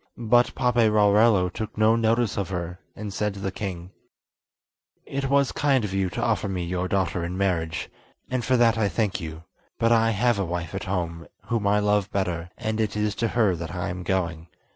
But Paperarello took no notice of her, and said to the king: "It was kind of you to offer me your daughter in marriage, and for that I thank you; but I have a wife at home whom I love better, and it is to her that I am going.